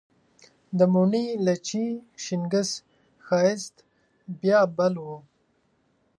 د موڼي، لچي، شینګس ښایست بیا بل و